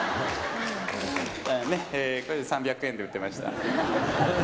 ね、これ、３００円で売ってまし